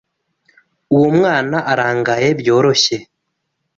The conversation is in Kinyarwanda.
Uwo mwana arangaye byoroshye.